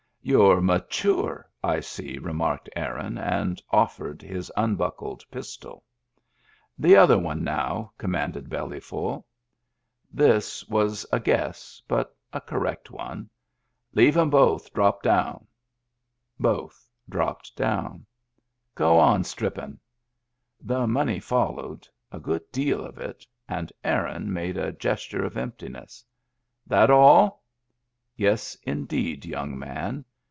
"You're mature, I see," remarked Aaron, and ofiFei:ed his unbuckled pistol. "The other one now," commanded Bellyful. Digitized by Google 226 MEMBERS OF THE FAMILY This was a guess, but a correct one. " Leave 'em both drop down." Both dropped down, " Go on strippin'." The money followed, a good deal of it, and Aaron made a gesture of emptiness. "Thatall?*' " Yes, indeed, young man."